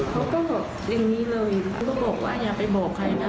เขาก็บอกอย่างนี้เลยเขาก็บอกว่าอย่าไปบอกใครนะ